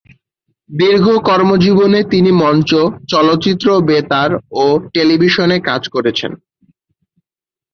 দীর্ঘ কর্মজীবনে তিনি মঞ্চ, চলচ্চিত্র, বেতার ও টেলিভিশনে কাজ করেছেন।